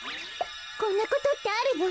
こんなことってあるの？